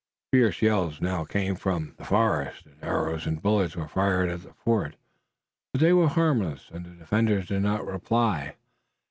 Fierce yells now came from the forest and arrows and bullets were fired at the fort, but they were harmless and the defenders did not reply.